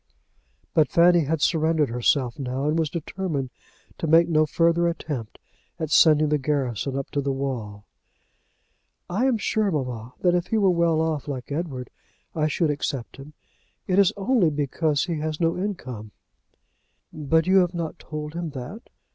But Fanny had surrendered herself now, and was determined to make no further attempt at sending the garrison up to the wall. "I am sure, mamma, that if he were well off, like Edward, I should accept him. It is only because he has no income." "But you have not told him that?"